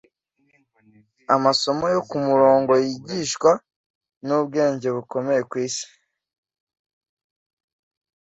Amasomo yo kumurongo yigishwa nubwenge bukomeye kwisi